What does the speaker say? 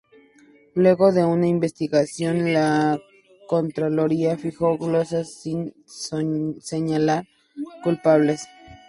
Luego de una "investigación"; la Contraloría fijó glosas sin señalar culpables.